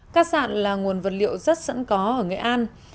cát sạn là nguồn vật liệu rất sẵn có ở nghệ an